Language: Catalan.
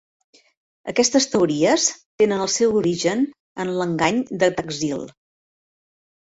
Aquestes teories tenen el seu origen en l'engany de Taxil.